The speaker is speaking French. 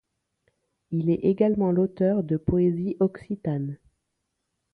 Il est également l'auteur de poésies occitanes.